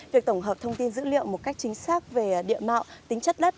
việc tổng hợp thông tin dữ liệu một cách chính xác về địa mạo tính chất đất